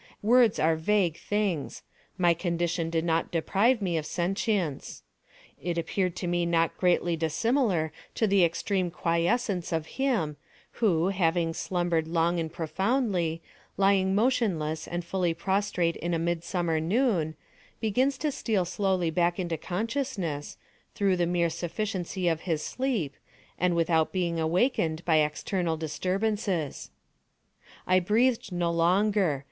Words are vague things. My condition did not deprive me of sentience. It appeared to me not greatly dissimilar to the extreme quiescence of him, who, having slumbered long and profoundly, lying motionless and fully prostrate in a midsummer noon, begins to steal slowly back into consciousness, through the mere sufficiency of his sleep, and without being awakened by external disturbances. I breathed no longer.